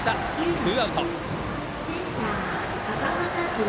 ツーアウト。